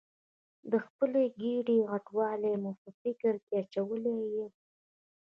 د خپلې ګېډې غټوالی مې په فکر کې اچولې یم.